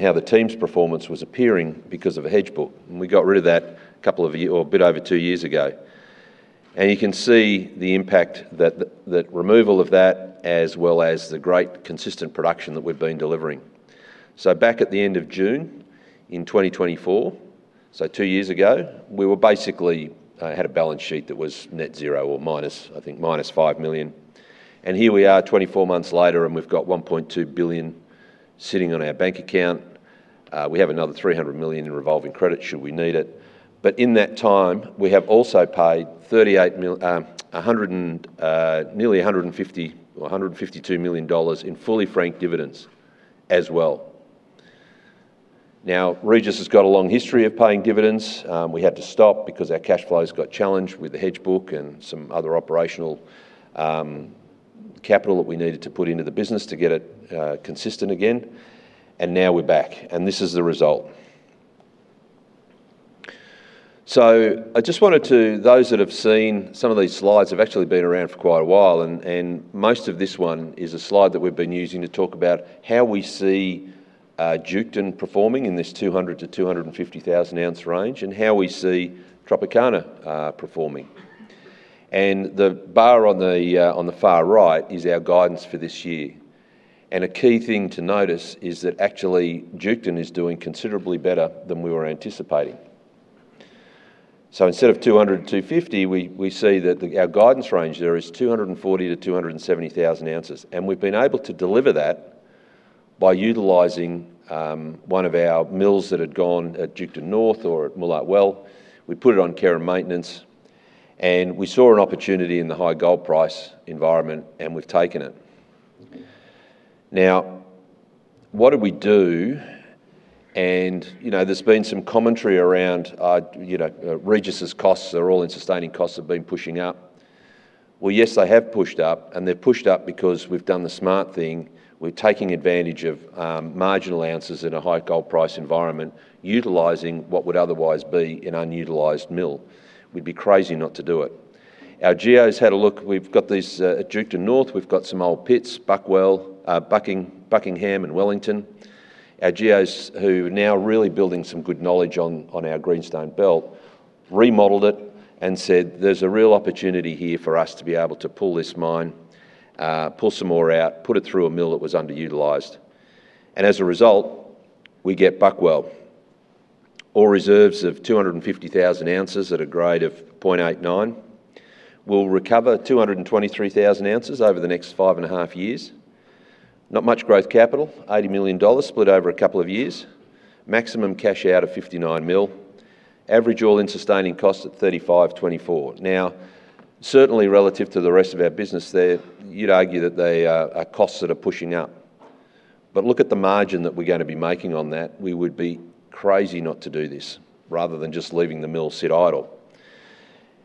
How the team's performance was appearing because of a hedge book. We got rid of that a bit over two years ago. You can see the impact that removal of that, as well as the great consistent production that we've been delivering. Back at the end of June in 2024, two years ago, we basically had a balance sheet that was net zero or I think, -5 million. Here we are 24 months later and we've got 1.2 billion sitting in our bank account. We have another 300 million in revolving credit should we need it. In that time, we have also paid nearly 152 million dollars in fully franked dividends as well. Regis has got a long history of paying dividends. We had to stop because our cash flows got challenged with the hedge book and some other operational capital that we needed to put into the business to get it consistent again. Now we're back, and this is the result. Those that have seen some of these slides have actually been around for quite a while, and most of this one is a slide that we've been using to talk about how we see Duketon performing in this 200,000 to 250,000 ounce range, and how we see Tropicana performing. The bar on the far right is our guidance for this year. A key thing to notice is that actually Duketon is doing considerably better than we were anticipating. Instead of 200,000 to 250,000, we see that our guidance range there is 240,000 to 270,000 ounces. We've been able to deliver that by utilizing one of our mills that had gone at Duketon North or at Moolart Well. We put it on care and maintenance, and we saw an opportunity in the high gold price environment and we've taken it. What do we do? There's been some commentary around Regis' costs, all-in sustaining costs have been pushing up. Yes, they have pushed up, and they've pushed up because we've done the smart thing. We're taking advantage of marginal ounces in a high gold price environment, utilizing what would otherwise be an unutilized mill. We'd be crazy not to do it. Our geos had a look. At Duketon North, we've got some old pits, Buckwell, Buckingham and Wellington. Our geos, who are now really building some good knowledge on our greenstone belt, remodeled it and said, "There's a real opportunity here for us to be able to pull this mine, pull some ore out, put it through a mill that was underutilized." As a result, we get Buckwell. Ore reserves of 250,000 ounces at a grade of 0.89. We'll recover 223,000 ounces over the next five and a half years. Not much growth capital, 80 million dollars split over a couple of years. Maximum cash out of 59 million. Average all-in sustaining cost at 35.24. Certainly relative to the rest of our business there, you'd argue that they are costs that are pushing up. Look at the margin that we're going to be making on that. We would be crazy not to do this rather than just leaving the mill sit idle.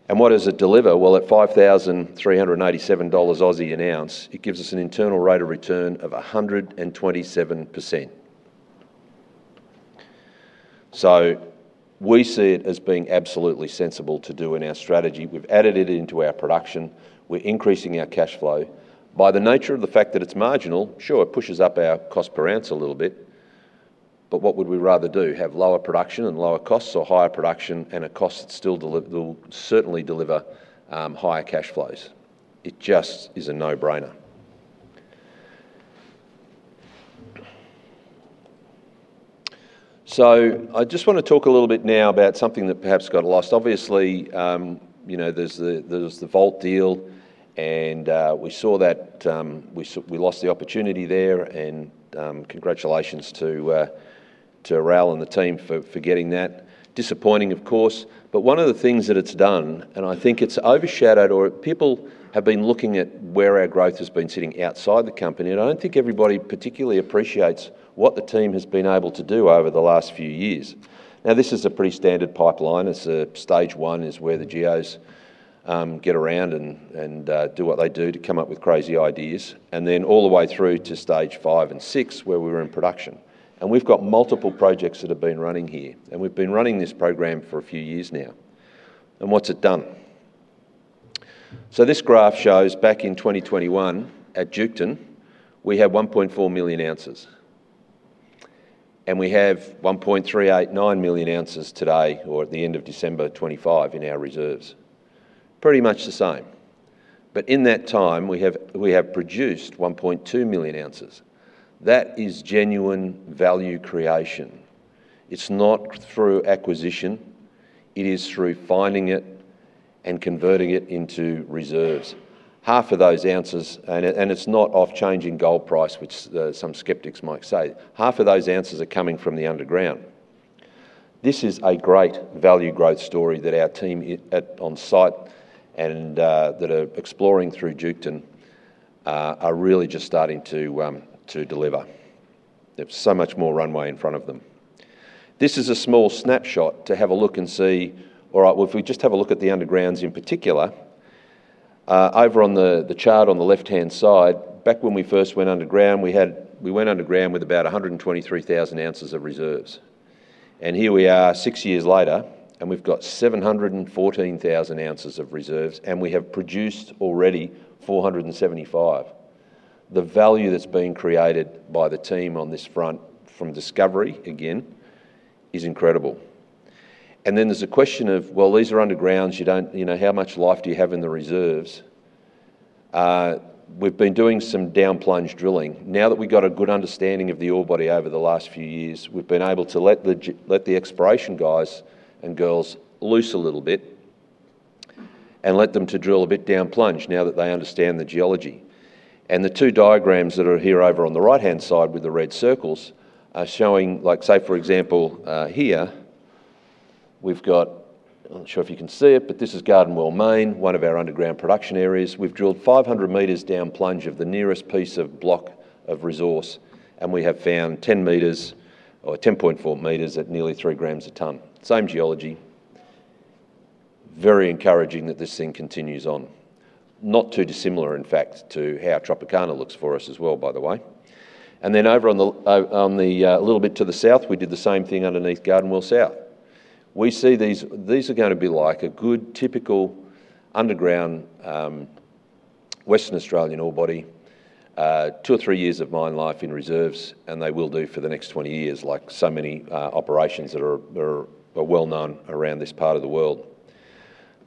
What does it deliver? At 5,387 Aussie dollars an ounce, it gives us an internal rate of return of 127%. We see it as being absolutely sensible to do in our strategy. We've added it into our production. We're increasing our cash flow. By the nature of the fact that it's marginal, sure, it pushes up our cost per ounce a little bit. What would we rather do? Have lower production and lower costs or higher production and a cost that will certainly deliver higher cash flows? It just is a no-brainer. I just want to talk a little bit now about something that perhaps got lost. Obviously, there's the Vault deal, and we saw that we lost the opportunity there and congratulations to Ral and the team for getting that. Disappointing, of course. One of the things that it's done, I think it's overshadowed or people have been looking at where our growth has been sitting outside the company, and I don't think everybody particularly appreciates what the team has been able to do over the last few years. This is a pretty standard pipeline. Stage one is where the geos get around and do what they do to come up with crazy ideas. Then all the way through to stage five and six, where we were in production. We've got multiple projects that have been running here. We've been running this program for a few years now. What's it done? This graph shows back in 2021 at Duketon, we had 1.4 million ounces. We have 1.389 million ounces today or at the end of December 2025 in our reserves. Pretty much the same. In that time, we have produced 1.2 million ounces. That is genuine value creation. It's not through acquisition. It is through finding it and converting it into reserves. Half of those ounces, it's not off changing gold price, which some skeptics might say. Half of those ounces are coming from the underground. This is a great value growth story that our team on site and that are exploring through Duketon are really just starting to deliver. There's so much more runway in front of them. This is a small snapshot to have a look and see, if we just have a look at the undergrounds in particular. Over on the chart on the left-hand side, back when we first went underground, we went underground with about 123,000 ounces of reserves. Here we are six years later, we've got 714,000 ounces of reserves, we have produced already 475. The value that's been created by the team on this front from discovery, again, is incredible. There's a question of, these are underground. How much life do you have in the reserves? We've been doing some down plunge drilling. Now that we've got a good understanding of the ore body over the last few years, we've been able to let the exploration guys and girls loose a little bit and let them to drill a bit down plunge now that they understand the geology. The two diagrams that are here over on the right-hand side with the red circles are showing, say, for example, here we've got, I'm not sure if you can see it, but this is Garden Well Main, one of our underground production areas. We've drilled 500 m down plunge of the nearest piece of block of resource, and we have found 10 m or 10.4 m at nearly 3 g a ton. Same geology. Very encouraging that this thing continues on. Not too dissimilar, in fact, to how Tropicana looks for us as well, by the way. Over on a little bit to the south, we did the same thing underneath Garden Well South. These are going to be like a good typical underground, Western Australian ore body, two or three years of mine life in reserves, and they will do for the next 20 years, like so many operations that are well known around this part of the world.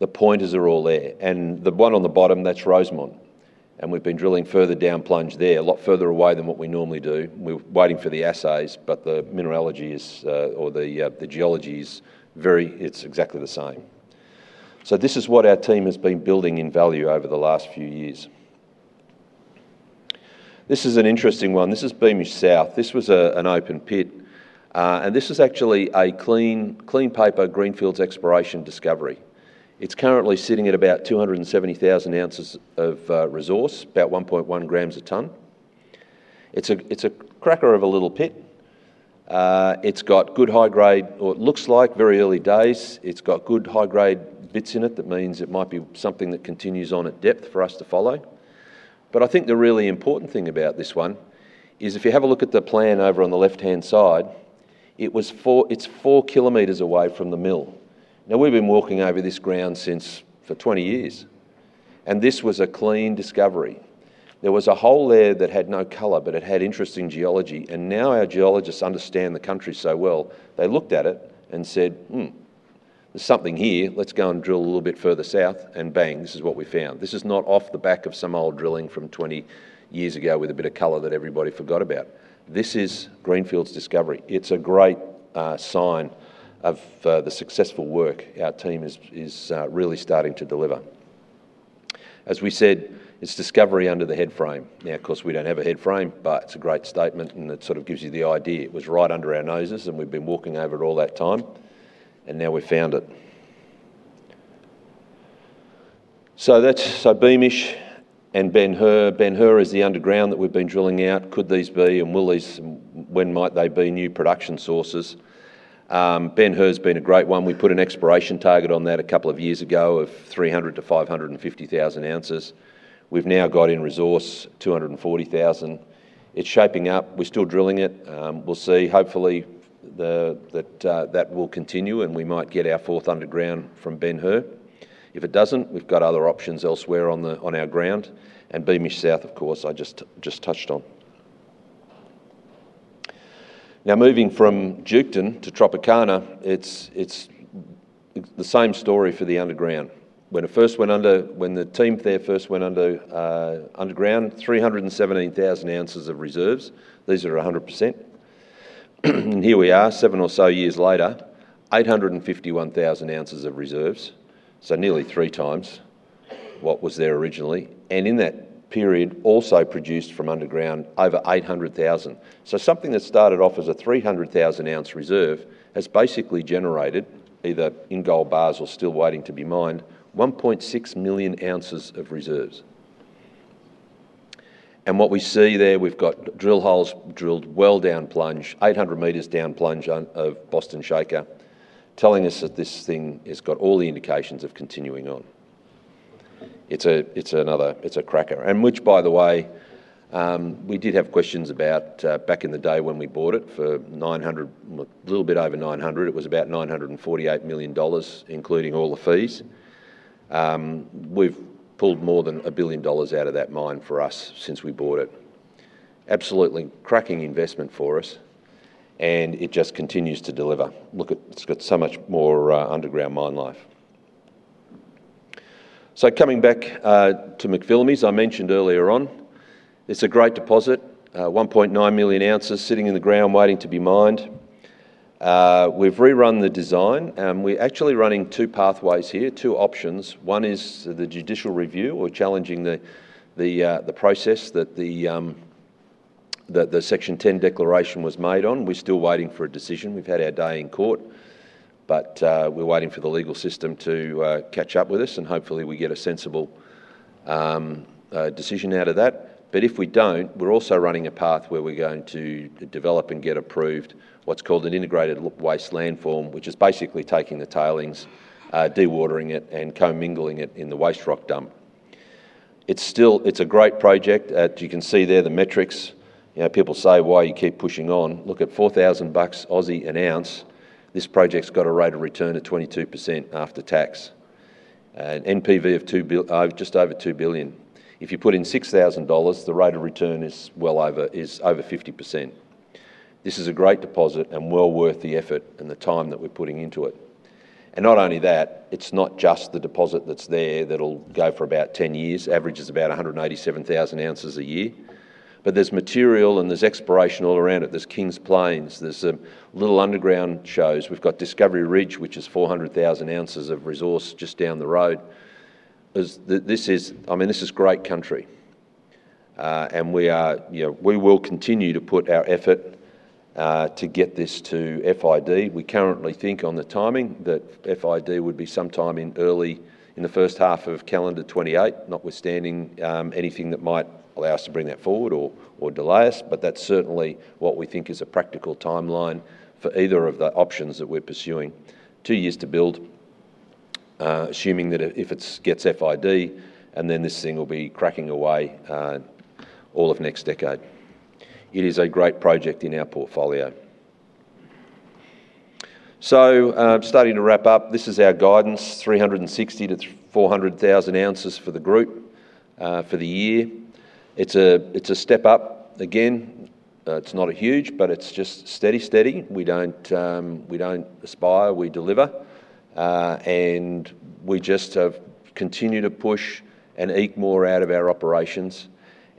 The pointers are all there. The one on the bottom, that's Rosemont. We've been drilling further down plunge there, a lot further away than what we normally do. We're waiting for the assays, but the mineralogy or the geology, it's exactly the same. This is what our team has been building in value over the last few years. This is an interesting one. This is Beamish South. This was an open pit. This is actually a clean paper greenfields exploration discovery. It's currently sitting at about 270,000 ounces of resource, about 1.1 g a ton. It's a cracker of a little pit. It looks like very early days. It's got good high-grade bits in it. That means it might be something that continues on at depth for us to follow. I think the really important thing about this one is if you have a look at the plan over on the left-hand side, it's 4 km away from the mill. We've been walking over this ground for 20 years, and this was a clean discovery. There was a hole there that had no color, but it had interesting geology. Now our geologists understand the country so well, they looked at it and said, "Hmm, there's something here. Let's go and drill a little bit further south." Bang, this is what we found. This is not off the back of some old drilling from 20 years ago with a bit of color that everybody forgot about. This is greenfields discovery. It's a great sign of the successful work our team is really starting to deliver. We said, it's discovery under the headframe. Of course, we don't have a headframe, but it's a great statement and it sort of gives you the idea. It was right under our noses and we've been walking over it all that time, and now we found it. That's Beamish and Ben Hur. Ben Hur is the underground that we've been drilling out. Could these be, and when might they be new production sources? Ben Hur has been a great one. We put an exploration target on that a couple of years ago of 300,000-550,000 ounces. We've now got in resource 240,000 ounces. It's shaping up. We're still drilling it. We'll see. Hopefully, that will continue, and we might get our fourth underground from Ben Hur. If it doesn't, we've got other options elsewhere on our ground. Beamish South, of course, I just touched on. Now, moving from Duketon to Tropicana, it's the same story for the underground. When the team there first went underground, 317,000 ounces of reserves. These are 100%. Here we are, seven or so years later, 851,000 ounces of reserves, so nearly 3x what was there originally. In that period, also produced from underground over 800,000. Something that started off as a 300,000-ounce reserve has basically generated, either in gold bars or still waiting to be mined, 1.6 million ounces of reserves. What we see there, we've got drill holes drilled well down plunge, 800 m down plunge of Boston Shaker, telling us that this thing has got all the indications of continuing on. It's a cracker, which, by the way, we did have questions about back in the day when we bought it for a little bit over 900. It was about 948 million dollars, including all the fees. We've pulled more than 1 billion dollars out of that mine for us since we bought it. Absolutely cracking investment for us, it just continues to deliver. Look, it's got so much more underground mine life. Coming back to McPhillamys, I mentioned earlier on, it's a great deposit, 1.9 million ounces sitting in the ground waiting to be mined. We've rerun the design. We're actually running two pathways here, two options. One is the judicial review. We're challenging the process that the Section 10 declaration was made on. We're still waiting for a decision. We've had our day in court, we're waiting for the legal system to catch up with us, hopefully, we get a sensible decision out of that. If we don't, we're also running a path where we're going to develop and get approved what's called an integrated waste landform, which is basically taking the tailings, dewatering it, and co-mingling it in the waste rock dump. It's a great project. You can see there the metrics. People say, "Why you keep pushing on?" Look, at 4,000 bucks an ounce, this project's got a rate of return of 22% after tax. An NPV of just over 2 billion. If you put in 6,000 dollars, the rate of return is over 50%. This is a great deposit, well worth the effort and the time that we're putting into it. Not only that, it's not just the deposit that's there that'll go for about 10 years. Average is about 187,000 ounces a year. There's material and there's exploration all around it. There's Kings Plains, there's little underground shows. We've got Discovery Ridge, which is 400,000 ounces of resource just down the road. This is great country. We will continue to put our effort to get this to FID. We currently think on the timing that FID would be sometime in the H1 of calendar 2028, notwithstanding anything that might allow us to bring that forward or delay us, that's certainly what we think is a practical timeline for either of the options that we're pursuing. Two years to build, assuming that if it gets FID, then this thing will be cracking away all of next decade. It is a great project in our portfolio. Starting to wrap up. This is our guidance, 360,000 to 400,000 ounces for the group for the year. It's a step up. Again, it's not huge, but it's just steady. We don't aspire, we deliver. We just have continued to push and eke more out of our operations,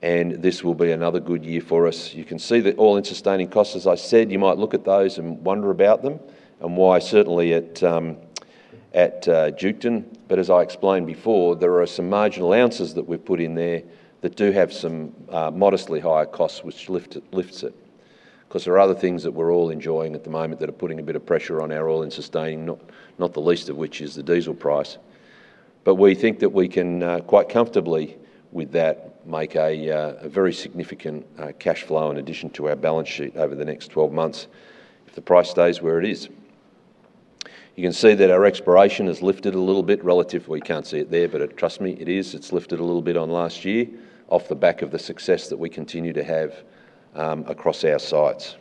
and this will be another good year for us. You can see the all-in sustaining costs, as I said. You might look at those and wonder about them and why certainly at Duketon. As I explained before, there are some marginal ounces that we've put in there that do have some modestly higher costs which lifts it. There are other things that we're all enjoying at the moment that are putting a bit of pressure on our all-in sustaining, not the least of which is the diesel price. We think that we can quite comfortably with that make a very significant cash flow in addition to our balance sheet over the next 12 months if the price stays where it is. You can see that our exploration has lifted a little bit relative. Well, you can't see it there, but trust me, it is. It's lifted a little bit on last year off the back of the success that we continue to have across our sites.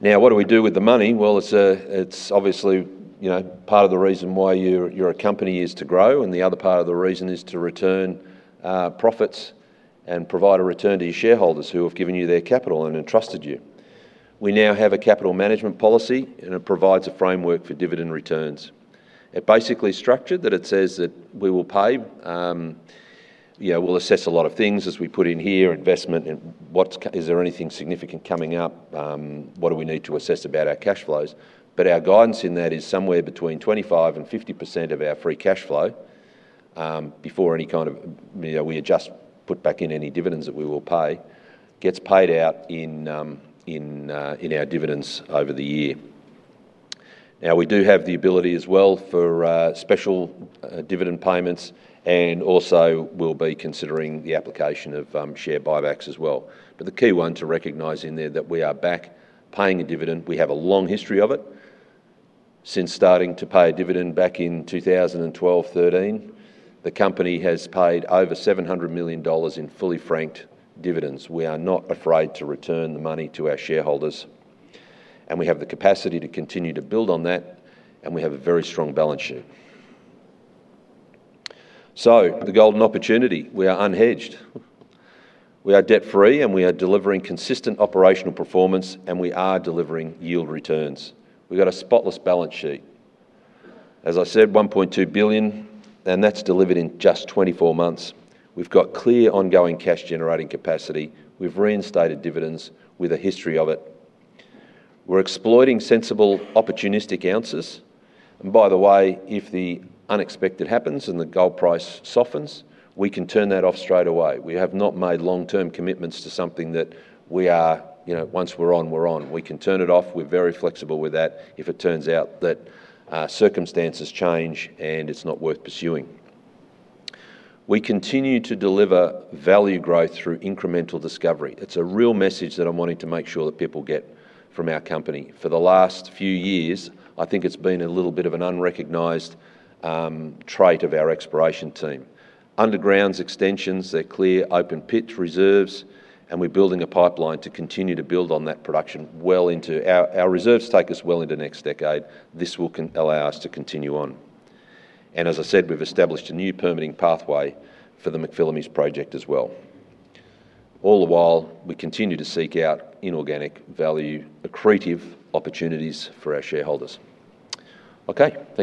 What do we do with the money? It's obviously part of the reason why you're a company is to grow, the other part of the reason is to return profits and provide a return to your shareholders who have given you their capital and entrusted you. We now have a capital management policy, it provides a framework for dividend returns. It basically structured that it says that we will pay. We'll assess a lot of things as we put in here, investment and is there anything significant coming up? What do we need to assess about our cash flows? Our guidance in that is somewhere between 25%-50% of our free cash flow before any kind of, we adjust, put back in any dividends that we will pay, gets paid out in our dividends over the year. We do have the ability as well for special dividend payments, also we'll be considering the application of share buybacks as well. The key one to recognize in there that we are back paying a dividend. We have a long history of it. Since starting to pay a dividend back in 2012, 2013, the company has paid over 700 million dollars in fully franked dividends. We are not afraid to return the money to our shareholders, we have the capacity to continue to build on that, we have a very strong balance sheet. The golden opportunity. We are unhedged. We are debt-free, we are delivering consistent operational performance, we are delivering yield returns. We've got a spotless balance sheet. As I said, 1.2 billion, and that's delivered in just 24 months. We've got clear ongoing cash-generating capacity. We've reinstated dividends with a history of it. We're exploiting sensible opportunistic ounces. By the way, if the unexpected happens and the gold price softens, we can turn that off straight away. We have not made long-term commitments to something that once we're on, we're on. We can turn it off. We're very flexible with that if it turns out that circumstances change and it's not worth pursuing. We continue to deliver value growth through incremental discovery. It's a real message that I'm wanting to make sure that people get from our company. For the last few years, I think it's been a little bit of an unrecognized trait of our exploration team. Undergrounds, extensions, they're clear open pit reserves, and we're building a pipeline to continue to build on that production well into, our reserves take us well into next decade. This will allow us to continue on. As I said, we've established a new permitting pathway for the McPhillamys project as well. All the while, we continue to seek out inorganic value-accretive opportunities for our shareholders. Okay, thank you